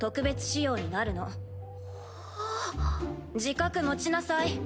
自覚持ちなさい。